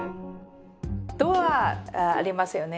ドアありますよね